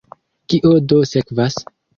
Kio do sekvas?